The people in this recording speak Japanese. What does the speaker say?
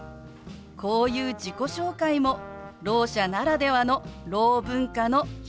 こういう自己紹介もろう者ならではのろう文化の一つなんです。